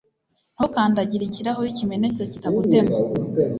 Ntukandagire ikirahure kimenetse kita gutema.